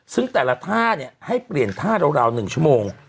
ซึ่งแต่ละท่าให้เปลี่ยนท่าราว๑ชั่วโมง